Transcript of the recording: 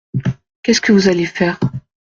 Qu’est-ce que vous allez faire ?